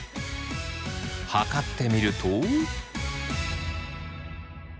測ってみると。